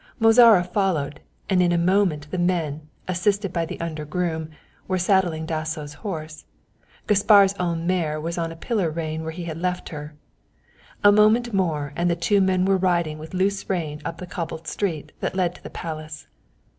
Mozara followed, and in a moment the men, assisted by the under groom, were saddling Dasso's horse. Gaspar's own mare was on a pillar rein where he had left her. A moment more and the two men were riding with loose rein up the cobbled street that led to the Palace.